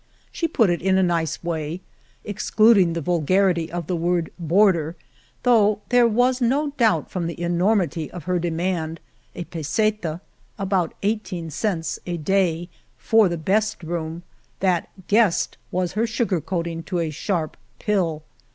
She put it in a nice way, excluding the vulgarity of the word boarder, though there was no doubt from the enormity of her demand, a peseta (about eighteen cents) a day for the best room, that guest" was her sugar coating to a sharp pill.